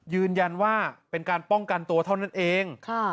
ยืนยันว่าเป็นการป้องกันตัวเท่านั้นเอง